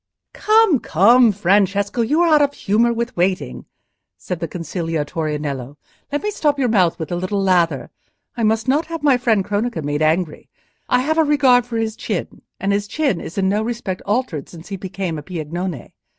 "Come, come, Francesco, you are out of humour with waiting," said the conciliatory Nello. "Let me stop your mouth with a little lather. I must not have my friend Cronaca made angry: I have a regard for his chin; and his chin is in no respect altered since he became a Piagnone.